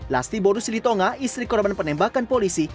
lasti borus silitonga istri korban penembakan polisi